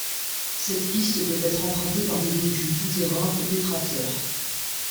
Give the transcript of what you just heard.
Cette piste peut être empruntée par des véhicules tout-terrain ou des tracteurs.